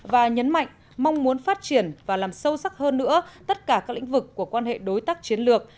và nhấn mạnh mong muốn phát triển và làm sâu sắc hơn nữa tất cả các lĩnh vực của quan hệ đối tác chiến lược